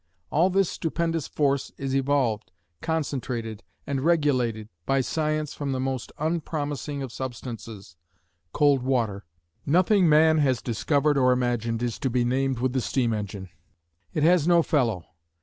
All this stupendous force is evolved, concentrated and regulated by science from the most unpromising of substances, cold water. Nothing man has discovered or imagined is to be named with the steam engine. It has no fellow.